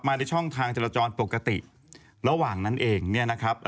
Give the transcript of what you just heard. ในช่องทางจรจรปกติระหว่างนั้นเองเนี่ยนะครับ